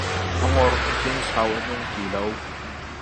A ngor hnu cun sau a nung ti lo.